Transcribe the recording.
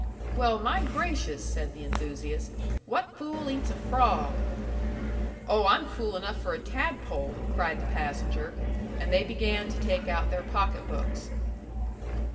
"Well, my gracious!" said the enthusiast. "What fool eats a frog?" "Oh, I'm fool enough for a tadpole!" cried the passenger. And they began to take out their pocket books.